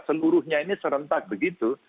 seluruhnya ini serentak begitu